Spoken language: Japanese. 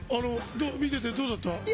見ててどうだった？